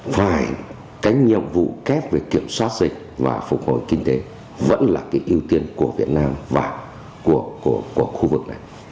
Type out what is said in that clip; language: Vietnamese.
phải cái nhiệm vụ kép về kiểm soát dịch và phục hồi kinh tế vẫn là cái ưu tiên của việt nam và của khu vực này